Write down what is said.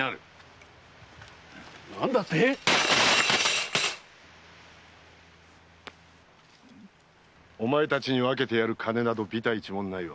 何だって⁉お前たちに分けてやる金などびた一文ないわ。